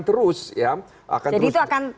terus ya jadi itu akan